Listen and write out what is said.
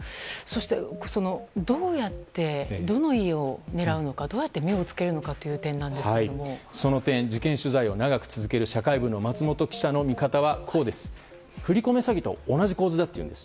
どうやって、どの家を狙うのかどうやって目をつけるのかという点なんですけどもその点、事件取材を長く続ける社会部の松本記者の見方は、振り込め詐欺と同じ構図だというんです。